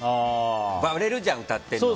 ばれるじゃん、歌ってるの。